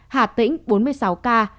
hà tĩnh bốn mươi sáu ca